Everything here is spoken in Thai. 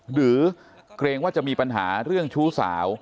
เกรงว่าจะมีปัญหาเรื่องชู้สาว